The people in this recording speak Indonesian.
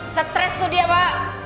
stres tuh dia pak